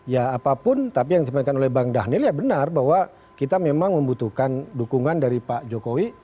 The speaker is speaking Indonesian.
ya apapun tapi yang disampaikan oleh bang dhanil ya benar bahwa kita memang membutuhkan dukungan dari pak jokowi